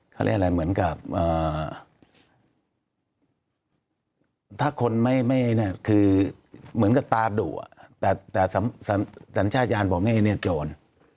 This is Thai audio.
เขาเรียกอะไรเหมือนกับถ้าคนไม่เนี่ยคือเหมือนกับตาดั่วแต่สัญญาณบอกไงเนี่ยเนี่ยโจร